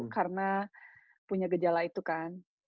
karena punya gejala itu kan